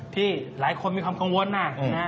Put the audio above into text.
ที่หลายคนมีความกังวลนะ